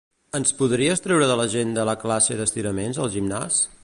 Ens podries treure de l'agenda la classe d'estiraments al gimnàs?